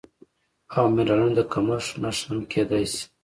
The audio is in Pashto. او منرالونو د کمښت نښه هم کیدی شي